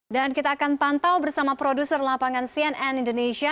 dan kita akan pantau bersama produser lapangan cnn indonesia